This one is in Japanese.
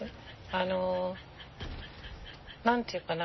あの何て言うかな